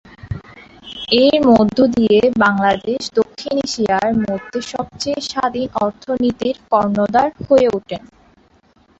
এর মধ্য দিয়ে বাংলাদেশ দক্ষিণ এশিয়ার মধ্যে সবচেয়ে স্বাধীন অর্থনীতির কর্ণধার হয়ে উঠে।